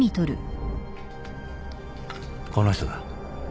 この人だ。